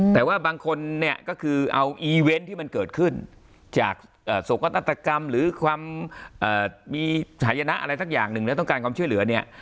แต่ว่าบางคนเนี่ยก็คือเอาอีเวนต์ที่มันเกิดขึ้นจากสกนาฏกรรมหรือความมีหายนะอะไรสักอย่างหนึ่งแล้วต้องการความช่วยเหลือเนี่ย